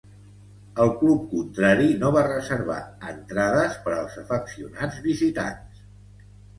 El club contrari no va reservar entrades per al afeccionats visitants.